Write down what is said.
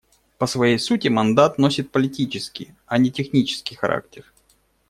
По своей сути мандат носит политический, а не технический характер.